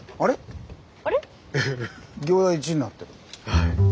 はい。